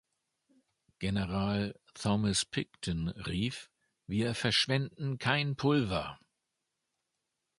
General Thomas Picton rief: „Wir verschwenden kein Pulver!